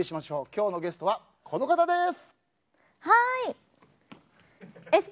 今日のゲストはこの方です。